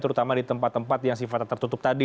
terutama di tempat tempat yang sifatnya tertutup tadi